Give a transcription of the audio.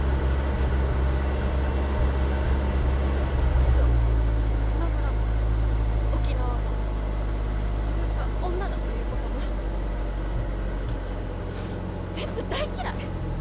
うちはこの村も沖縄も自分が女だということも全部大嫌い！